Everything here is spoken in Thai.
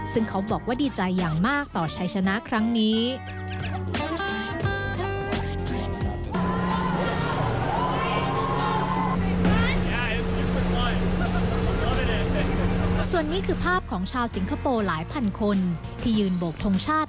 ส่วนนี้คือภาพของชาวสิงคโปร์หลายพันคนที่ยืนโบกทงชาติ